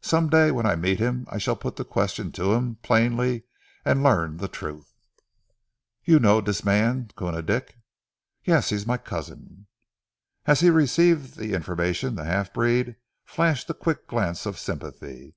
Some day when I meet him I shall put the question to him plainly, and learn the truth." "You know dis mans, Koona Dick?" "Yes! He is my cousin." As he received the information the half breed flashed a quick glance of sympathy.